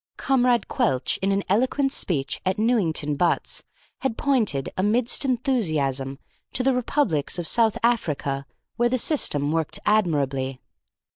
Comrade Quelch, in an eloquent speech at Newington Butts, had pointed, amidst enthusiasm, to the republics of South America, where the system worked admirably.